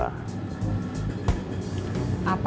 mai senangnya film apa